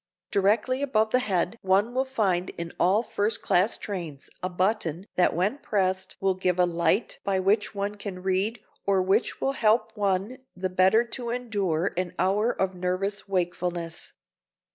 Directly above the head one will find in all first class trains a button that when pressed will give a light by which one can read or which will help one the better to endure an hour of nervous wakefulness.